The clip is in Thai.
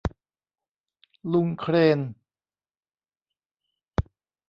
ลุงเครน